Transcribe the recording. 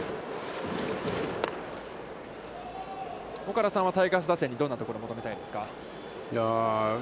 岡田さん、タイガース打線にどんなことを求めたいですか。